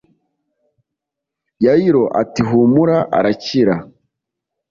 Yayiro ati humura arakira